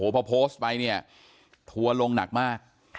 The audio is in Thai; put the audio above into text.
พอโพสต์ไปเนี่ยทัวร์ลงหนักมาก